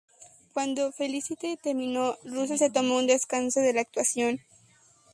Cuando "Felicity" terminó, Russell se tomó un descanso de la actuación.